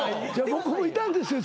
僕もいたんですよ。